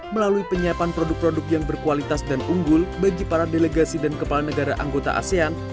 melalui penyiapan produk produk yang berkualitas dan unggul bagi para delegasi dan kepala negara anggota asean